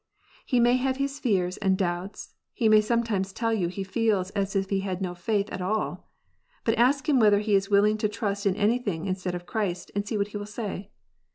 He may have his fears and doubts. He may sometimes tell you he feels as if he had no faith at all. < But ask him whether he is Avilling to trust in anything instead,* of Christ, and see what he will say.